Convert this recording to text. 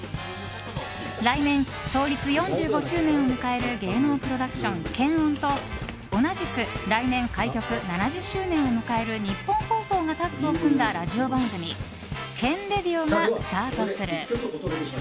来年、創立４５周年を迎える芸能プロダクション研音と同じく来年開局７０周年を迎えるニッポン放送がタッグを組んだラジオ番組「ＫＥＮＲＡＤＩＯ」がスタートする。